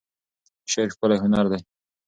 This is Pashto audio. شعر ښکلی هنر دی.